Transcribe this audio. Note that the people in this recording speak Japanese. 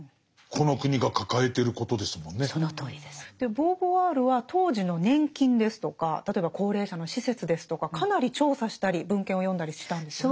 ボーヴォワールは当時の年金ですとか例えば高齢者の施設ですとかかなり調査したり文献を読んだりしたんですよね。